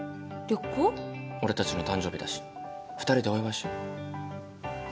俺たちの誕生日だし２人でお祝いしよう。